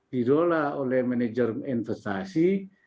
dirola oleh manajer investasi